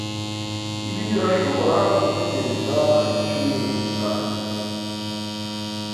Ibi birashobora gutegereza icyumweru gitaha?